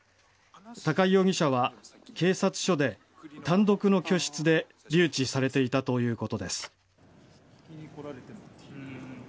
高井容疑者は警察署で単独の居室で留置されていたということです。